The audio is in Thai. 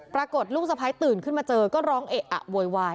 ปรากฏลูกสะพ้ายตื่นขึ้นมาเจอก็ร้องเอะอะโวยวาย